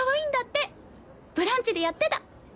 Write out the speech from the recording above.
『ブランチ』でやってた。